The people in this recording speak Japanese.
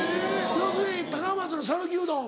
要するに高松の讃岐うどん？